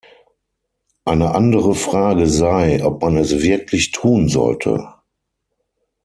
Eine andere Frage sei, ob man es wirklich tun sollte.